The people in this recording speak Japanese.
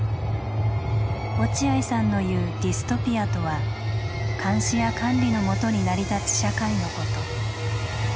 落合さんの言う「ディストピア」とは監視や管理のもとに成り立つ社会のこと。